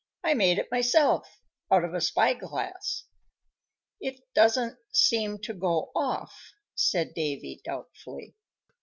"I made it myself out of a spy glass." "It doesn't seem to go off," said Davy, doubtfully.